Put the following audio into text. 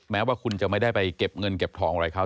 แม้ว่าคุณจะไม่ได้ไปเก็บเงินเก็บทองอะไรเขา